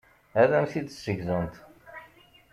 Ad am-t-id-ssegzunt.